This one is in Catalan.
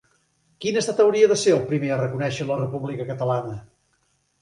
Quin estat hauria de ser el primer a reconèixer la república catalana?